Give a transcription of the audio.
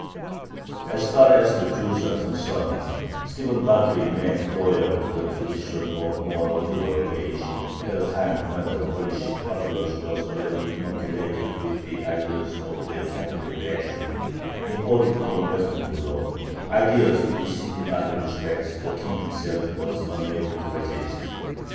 As far as the Jews are concerned, Stephen Batory remained loyal to the traditions of a more liberal age, at a time when the Polish populace was already inoculated with the ideas of the "Catholic reaction" imported from Western Europe ideas which in other respects the King himself was unable to resist.